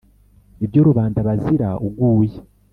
Ibyo rubanda bazira uguye.